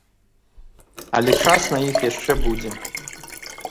Але час на іх яшчэ будзе.